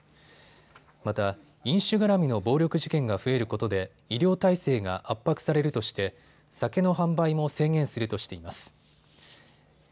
また、飲酒がらみの暴力事件が増えることで医療体制が圧迫されるとして酒の販売も制限するとしています。